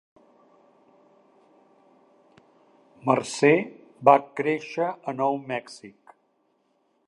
Mercer va créixer a Nou Mèxic.